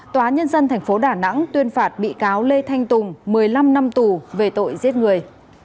tòa nhân dân tp đà nẵng tuyên phạt bị cáo lê thanh tùng một mươi năm năm tù về tội giết người